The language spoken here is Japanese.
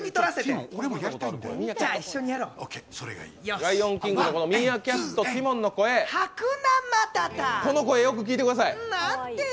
「ライオン・キング」のミーアキャットティモンの声、この声、よく聴いてください。